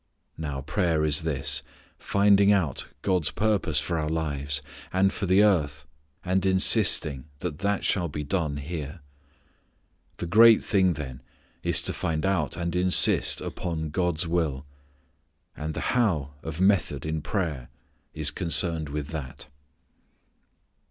Now prayer is this: finding out God's purpose for our lives, and for the earth and insisting that that shall be done here. The great thing then is to find out and insist upon God's will. And the "how" of method in prayer is concerned with that.